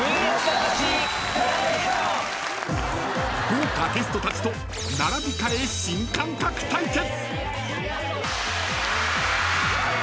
［豪華ゲストたちと並び替え新感覚対決］